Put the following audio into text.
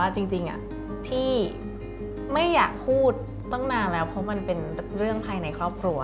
จริงที่ไม่อยากพูดตั้งนานแล้วเพราะมันเป็นเรื่องภายในครอบครัว